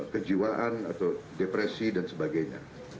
kejiwaan atau depresi dan sebagainya